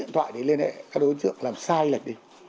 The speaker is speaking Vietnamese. các đối tượng có thể liên hệ các đối tượng làm sai lệch đi